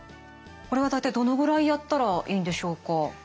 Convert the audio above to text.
これは大体どのぐらいやったらいいんでしょうか？